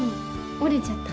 折れちゃった。